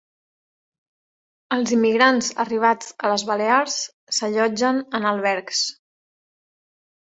Els immigrants arribats a les Balears s'allotgen en albergs